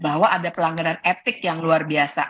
bahwa ada pelanggaran etik yang luar biasa